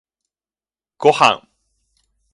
ごはん